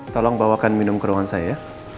tolong bawakan minum ke ruangan saya